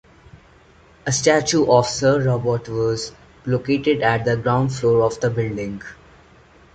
A statue of Sir Robert was located at the ground floor of the building.